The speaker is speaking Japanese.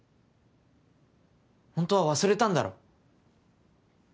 ホントは忘れたんだろ？